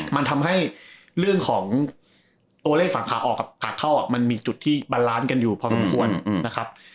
มันทำให้เรื่องของตัวเลขฝั่งขาออกกับขาเข้ามันมีจุดที่บาลานซ์กันอยู่พอสมควรนะครับ